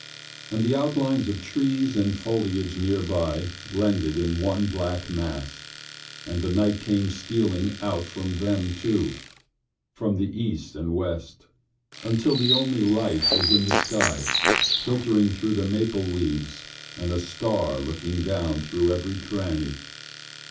And the outlines of trees and foliage nearby blended in one black mass and the night came stealing out from them, too, and from the east and west, until the only light was in the sky, filtering through the maple leaves and a star looking down through every cranny.